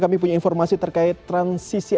kami punya informasi terkait transisi